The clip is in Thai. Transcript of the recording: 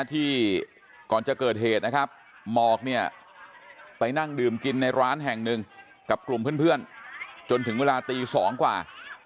ที่ก่อนจะเกิดเหตุนะครับหมอกเนี่ยไปนั่งดื่มกินในร้านแห่งหนึ่งกับกลุ่มเพื่อนจนถึงเวลาตี๒กว่า